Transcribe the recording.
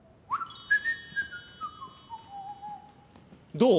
どう？